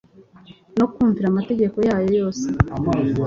no kumvira amategeko yayo yose.